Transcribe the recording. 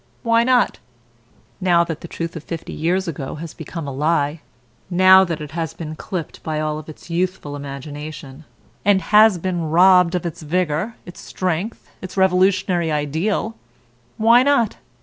Why not? Now that the truth of fifty years ago has become a lie, now that it has been clipped of all its youthful imagination, and been robbed of its vigor, its strength, its revolutionary ideal why not?